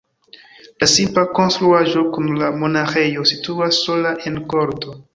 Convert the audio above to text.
La simpla konstruaĵo kun la monaĥejo situas sola en korto.